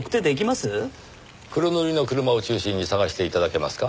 黒塗りの車を中心に探して頂けますか？